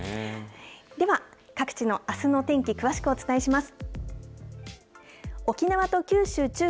では、各地のあすの天気、詳しくお伝えします。